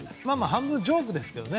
半分ジョークですけどね。